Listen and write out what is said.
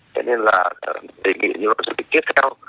thế nên là đề nghị những loài du lịch tiếp theo